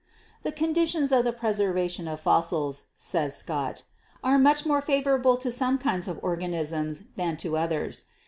"The conditions of the preservation of fossils/' says Scott, "are much more favorable to some kinds of organ 198 GEOLOGY isms than to others.